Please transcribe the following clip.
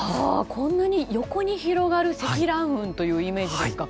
こんなに横に広がる積乱雲っていうイメージですか。